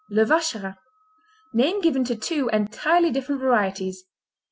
Le Vacherin Name given to two entirely different varieties: I.